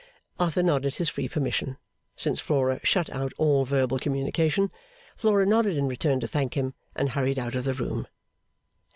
Arthur nodded his free permission, since Flora shut out all verbal communication. Flora nodded in return to thank him, and hurried out of the room.